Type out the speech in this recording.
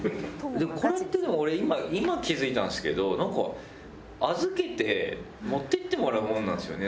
本当に俺今気づいたんですけど何か、預けて持って行ってもらうものなんですよね。